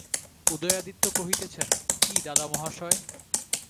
উদয়াদিত্য কহিতেছেন, কী দাদামহাশয়?